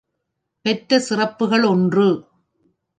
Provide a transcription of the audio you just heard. பெற்ற சிறப்புகள் ஒன்று.